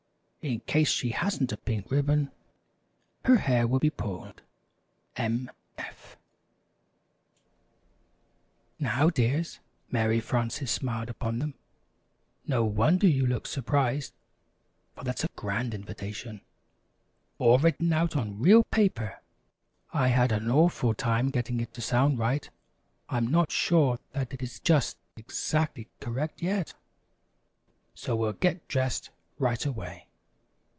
In case she has'nt a pink riblon her hair will be pulled. M. F.] [Illustration: "Of course you'll wear your dress suit."] "Now, dears," Mary Frances smiled upon them, "no wonder you look surprised; for that's a grand invitation, all written out on real paper. I had an awful time getting it to sound right. I'm not sure that it is just exactly correct yet. So we'll get dressed right away.